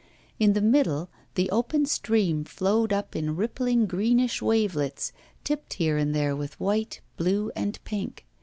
In the middle, the open stream flowed on in rippling, greenish wavelets tipped here and there with white, blue, and pink.